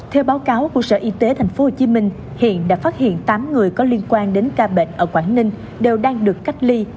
theo báo cáo của sở y tế tp hcm hiện đã phát hiện tám người có liên quan đến ca bệnh ở quảng ninh đều đang được cách ly